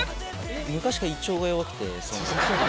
昔から胃腸が弱くて。